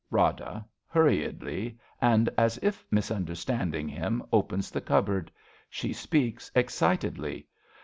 Rada {hurriedly, and as if misunder standing him,, opens the cupboard. She speaks excitedly).